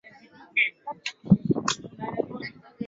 tuwezi kuendelea katika mfumo huo wa kujenga provincial muziki